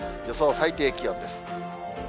予想最低気温です。